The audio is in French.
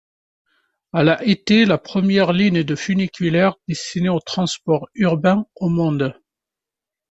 Elle a été la première ligne de funiculaire destinée au transport urbain au monde.